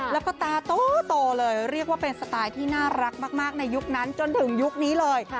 แล้วก็ตาโตเลยเรียกว่าเป็นสไตล์ที่น่ารักมากในยุคนั้นจนถึงยุคนี้เลย